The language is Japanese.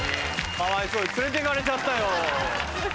かわいそうに連れていかれちゃったよ。